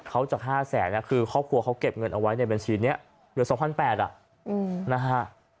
เขาจาก๕แสนคือครอบครัวเขาเก็บเงินเอาไว้ในบัญชีนี้เหลือ๒๘๐๐บาทนะฮะ